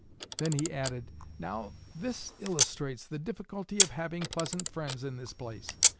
Then he added, "Now, this illustrates the difficulty of having pleasant friends in this place.